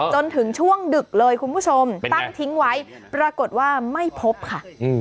จนถึงช่วงดึกเลยคุณผู้ชมตั้งทิ้งไว้ปรากฏว่าไม่พบค่ะ